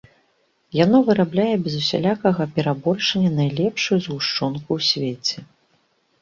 Яно вырабляе без усялякага перабольшання найлепшую згушчонку ў свеце.